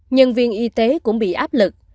nhân viên y tế cũng bị áp lực